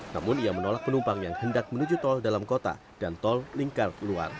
namun ia menolak penumpang yang hendak menuju tol dalam kota dan tol lingkar luar